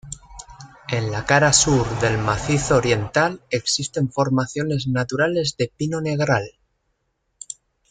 En la cara sur del macizo oriental existen formaciones naturales de pino negral.